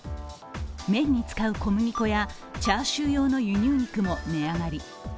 麺に使う小麦粉やチャーシュー用の輸入肉も値上がり。